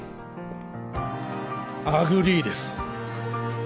アグリーです